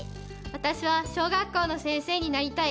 私は小学校の先生になりたい。